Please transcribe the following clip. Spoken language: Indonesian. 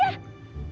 mana sih dia